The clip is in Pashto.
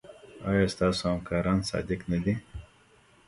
ایا ستاسو همکاران صادق نه دي؟